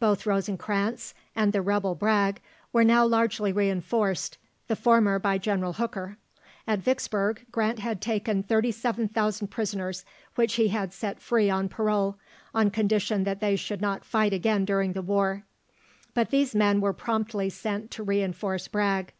Both Rosencranz and the rebel Bragg were now largely reinforced, the former by General Hooker. At Vicksburg, Grant had taken 37,000 prisoners, which he had set free on parole, on condition that they should not fight again during the war; but these men were promptly sent to reinforce Bragg.